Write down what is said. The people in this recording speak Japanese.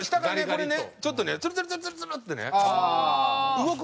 これねちょっとねツルツルツルツルツルってね動く事がようあるんですよ。